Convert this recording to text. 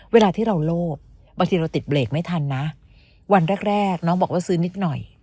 เวลาที่เราโลภบางทีเราติดเบรกไม่ทันนะวันแรกแรกน้องบอกว่าซื้อนิดหน่อย